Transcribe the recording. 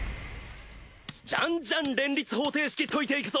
じゃんじゃん連立方程式解いていくぞ！